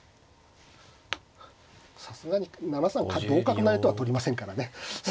さすがに７三同角成とは取りませんからね。